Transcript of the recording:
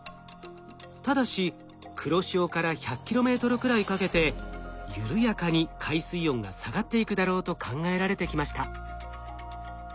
ただし黒潮から１００ｋｍくらいかけて緩やかに海水温が下がっていくだろうと考えられてきました。